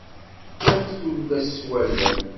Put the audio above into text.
Ččant-t tullas s wallen.